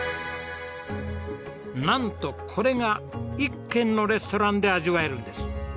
なんとこれが一軒のレストランで味わえるんです。